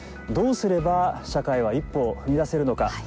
どうすれば社会は一歩を踏み出せるのか。